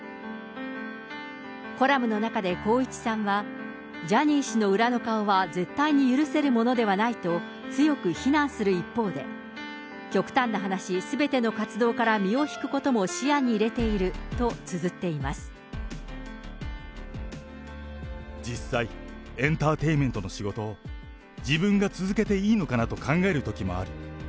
コラムの中で光一さんは、ジャニー氏の裏の顔は絶対に許せるものではないと、強く非難する一方で、極端な話、すべての活動から身を引くことも視野に入れているとつづっていま実際、エンターテインメントの仕事を自分が続けていいのかなと考えるときもある。